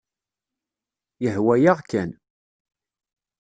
Yehwa-yaɣ kan.